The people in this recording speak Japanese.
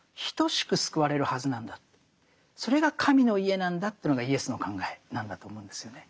それが神の家なんだっていうのがイエスの考えなんだと思うんですよね。